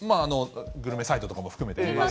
グルメサイトとかも含めてみ